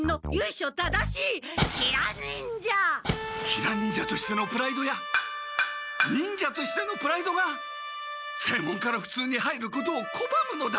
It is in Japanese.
ヒラ忍者としてのプライドや忍者としてのプライドが正門からふつうに入ることをこばむのだ。